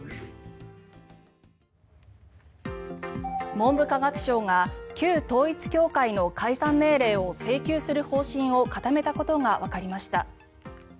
文部科学省が旧統一教会の解散命令を請求する方針を固めたことがわかりました。